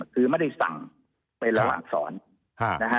คือไม่ได้สั่งไประหว่างสอศน